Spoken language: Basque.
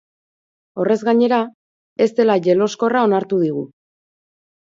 Horrez gainera, ez dela jeloskorra onartu digu.